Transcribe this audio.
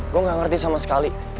gue gak ngerti sama sekali